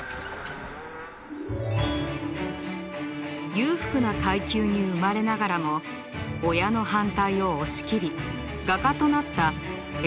裕福な階級に生まれながらも親の反対を押し切り画家となったエドゥアール・マネ。